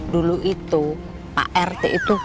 dulu itu pak rt itu